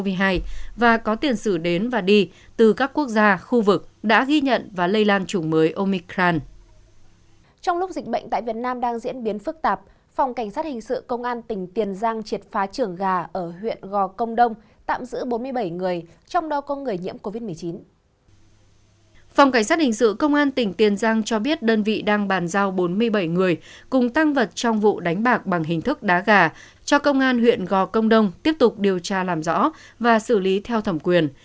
phòng cảnh sát hình sự công an tỉnh tiền giang cho biết đơn vị đang bàn giao bốn mươi bảy người cùng tăng vật trong vụ đánh bạc bằng hình thức đá gà cho công an huyện gò công đông tiếp tục điều tra làm rõ và xử lý theo thẩm quyền